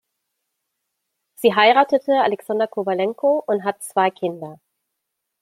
Sie heiratete Alexander Kowalenko und hat zwei Kinder.